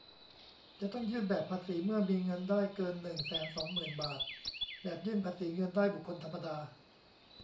จะต้องยื่นแบบภาษีเมื่อมีเงินได้เกิน หนึ่งแสนสองหมื่น บาท แบบยื่นภาษีเงินได้บุคคลธรรมดา